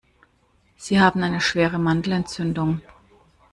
Sie haben eine schwere Mandelentzündung.